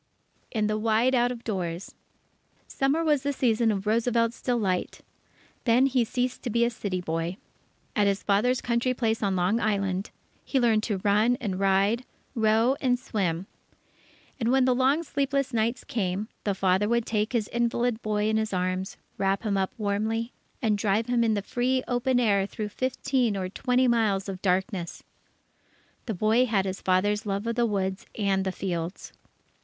In the Wide Out of Doors Summer was the season of Roosevelt's delight. Then he ceased to be a city boy. At his father's country place on Long Island, he learned to run and ride, row, and swim. And when the long sleepless nights came, the father would take his invalid boy in his arms, wrap him up warmly, and drive with him in the free open air through fifteen or twenty miles of darkness. The boy had his father's love of the woods and the fields.